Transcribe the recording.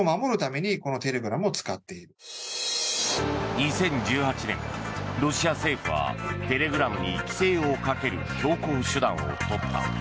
２０１８年ロシア政府はテレグラムに規制をかける強硬手段をとった。